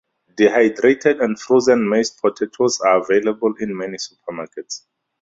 Dehydrated and frozen mashed potatoes are available in many supermarkets.